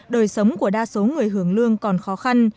đời sống của đa số người hưởng lương còn khó khăn